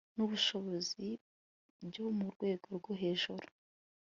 n ubushobozi byo mu rwego rwo hejuru